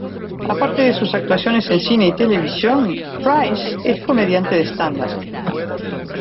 Aparte de sus actuaciones en cine y televisión, Price es comediante de "stand up".